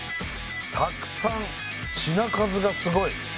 たくさん品数がすごい。